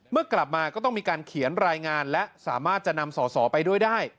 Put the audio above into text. เมื่อกลับมาก็ต้องมีการเขียนรายงานและสามารถจะนำสอสอไปด้วยได้